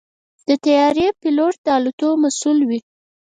د طیارې پيلوټ د الوت مسؤل وي.